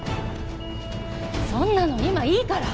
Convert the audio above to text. そんなの今いいから。